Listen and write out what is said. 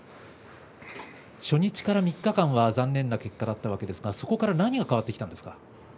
初日から３日間は残念な結果だったわけですがそこから何が変わりましたか？